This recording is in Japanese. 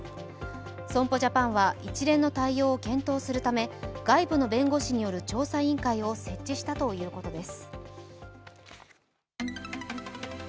損保ジャパンは一連の対応を検討するため外部の弁護士による調査委員会を設置したということです。